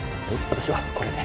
私はこれで。